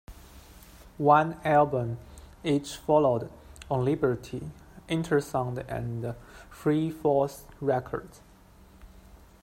One album each followed on Liberty, Intersound and Free Falls Records.